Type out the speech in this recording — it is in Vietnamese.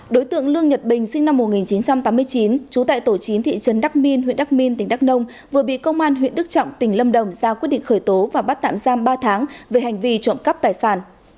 đối tượng lương nhật bình sinh năm một nghìn chín trăm tám mươi chín trú tại tổ chín thị trấn đắc minh huyện đắc minh tỉnh đắk nông vừa bị công an huyện đức trọng tỉnh lâm đồng ra quyết định khởi tố và bắt tạm giam ba tháng về hành vi trộm cắp tài sản